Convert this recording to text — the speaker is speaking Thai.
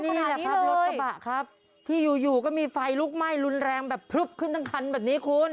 นี่แหละครับรถกระบะครับที่อยู่อยู่ก็มีไฟลุกไหม้รุนแรงแบบพลึบขึ้นทั้งคันแบบนี้คุณ